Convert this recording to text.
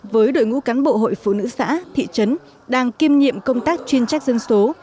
với đội ngũ cán bộ hội phụ nữ xã thị trấn đang kiêm nhiệm công tác chuyên trách dân số